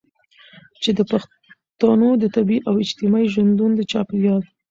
چې د پښتنو د طبیعي او اجتماعي ژوندون د چاپیریال